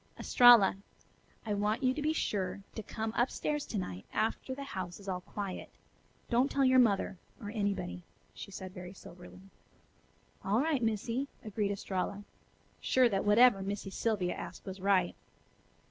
"Estralla, I want you to be sure to come up stairs to night after the house is all quiet. Don't tell your mother, or anybody," she said very soberly. "All right, Missy," agreed Estralla, sure that whatever Missy Sylvia asked was right.